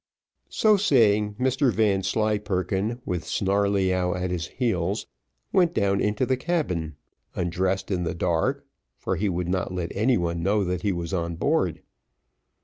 So saying, Mr Vanslyperken, with Snarleyyow at his heels, went down into the cabin undressed in the dark, for he would not let anyone know that he was on board.